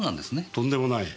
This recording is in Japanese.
とんでもない。